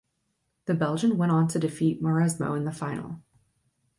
The Belgian went on to defeat Mauresmo in the final.